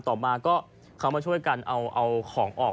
ต่อมาก็เขามาช่วยกันเอาของออก